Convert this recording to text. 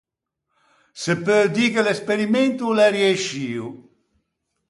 Se peu dî che l’esperimento o l’é riescio.